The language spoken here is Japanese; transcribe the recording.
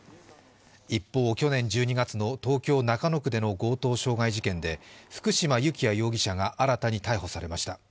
一方、去年１２月の東京・中野区での強盗傷害事件で福嶋幸也容疑者が新たに逮捕されました。